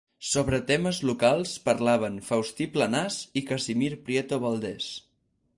Sobre temes locals parlaven Faustí Planàs i Casimir Prieto Valdés.